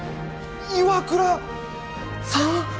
岩倉さん？